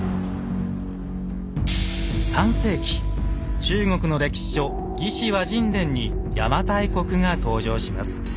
３世紀中国の歴史書「『魏志』倭人伝」に邪馬台国が登場します。